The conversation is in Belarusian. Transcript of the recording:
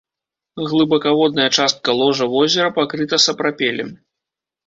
Глыбакаводная частка ложа возера пакрыта сапрапелем.